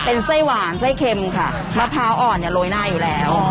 เป็นไส้หวานไส้เค็มค่ะมะพร้าวอ่อนเนี่ยโรยหน้าอยู่แล้ว